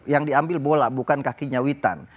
yang diambil bola bukan kaki nyawitan